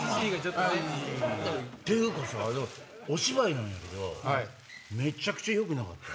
っていうかお芝居なんやけどめちゃくちゃよくなかった？